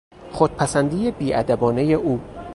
خودپسندی بیادبانهی او